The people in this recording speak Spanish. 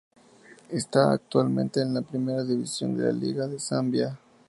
Está actualmente en la primera división de la liga de Zambia.